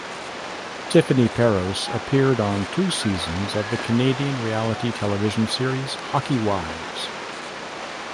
Tiffany Parros appeared on two seasons of the Canadian reality television series "Hockey Wives".